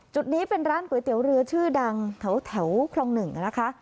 จุดนี้เป็นร้านก๋วยเตี๋ยวเรือชื่อดังแถวคลอง๑นะคะ